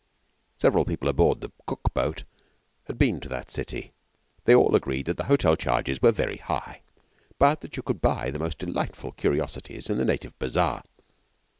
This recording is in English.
Several people aboard the Cook boat had been to that city. They all agreed that the hotel charges were very high, but that you could buy the most delightful curiosities in the native bazaar.